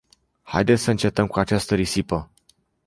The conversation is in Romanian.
Haideți să încetăm cu această risipă!